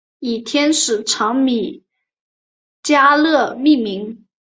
以天使长米迦勒命名。